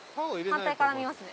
反対から見ますね。